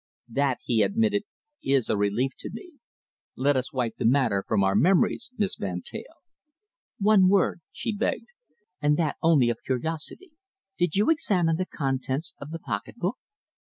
"That," he admitted, "is a relief to me. Let us wipe the matter from our memories, Miss Van Teyl." "One word," she begged, "and that only of curiosity. Did you examine the contents of the pocketbook?"